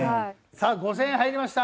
さあ５０００円入りました。